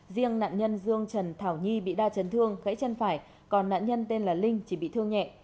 riêng nạn nhân dương trần thảo nhi bị đa chấn thương gãy chân phải còn nạn nhân tên là linh chỉ bị thương nhẹ